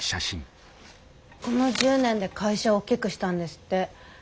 この１０年で会社を大きくしたんですって。